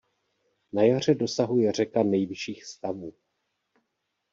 Na jaře dosahuje řeka nejvyšších stavů.